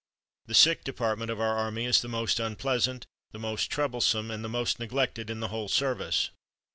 The sick department of our army is the most unpleasant, the most troublesome, and the most neglected in the whole service.